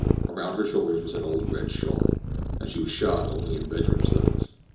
Around her shoulders was an old red shawl, and she was shod only in bedroom slippers.